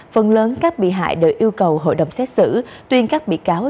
phần lớn các bị hại đều yêu cầu hội đồng xét xử tuyên các bị cáo